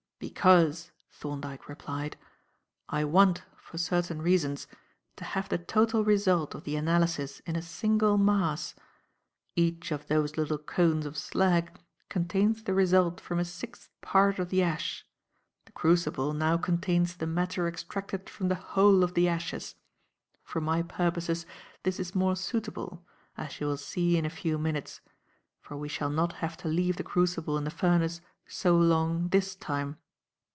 "Because," Thorndyke replied, "I want, for certain reasons, to have the total result of the analysis in a single mass. Each of those little cones of slag contains the result from a sixth part of the ash; the crucible now contains the matter extracted from the whole of the ashes. For my purposes this is more suitable, as you will see in a few minutes for we shall not have to leave the crucible in the furnace so long this time."